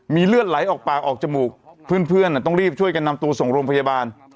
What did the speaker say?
มีเลือดไหลออกปากออกจมูกเพื่อนต้องรีบช่วยกันนำตัวส่งโรงพยาบาล